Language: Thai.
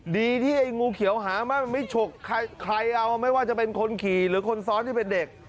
ดีที่ไอ้งูเขียวหามาไม่ฉกใครเอาไม่ว่าจะเป็นคนขี่หรือคนซ้อนที่เป็นเด็ก